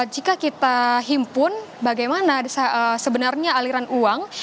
jika kita himpun bagaimana sebenarnya aliran uang